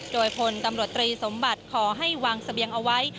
โดยพลตำรวจตรีสมบัติขอให้วางเสบียงเอาไว้